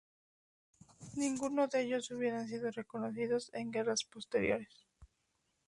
Ninguno de ellos hubieran sido reconocidos en guerras posteriores.